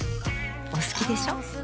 お好きでしょ。